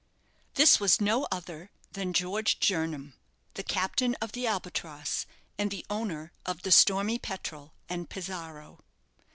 This was no other than George Jernam, the captain of the "Albatross," and the owner of the "Stormy Petrel" and "Pizarro."